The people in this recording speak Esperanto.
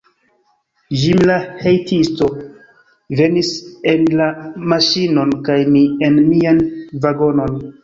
Jim, la hejtisto, venis en la maŝinon kaj mi en mian vagonon.